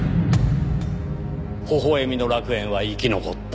微笑みの楽園は生き残った。